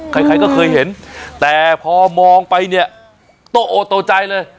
ใครใครก็เคยเห็นแต่พอมองไปเนี่ยโตโอโตใจเลย